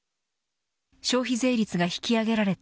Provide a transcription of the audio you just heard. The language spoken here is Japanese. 消費税率が引き上げられた